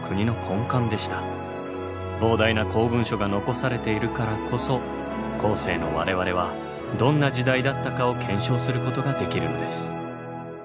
膨大な公文書が残されているからこそ後世の我々はどんな時代だったかを検証することができるのです。